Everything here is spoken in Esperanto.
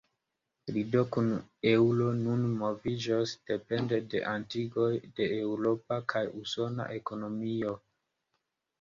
Lido kun eŭro nun moviĝos depende de atingoj de eŭropa kaj usona ekonomioj.